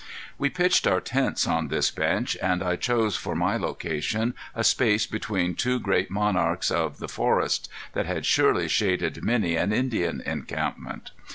We pitched our tents on this bench, and I chose for my location a space between two great monarchs of the forests, that had surely shaded many an Indian encampment.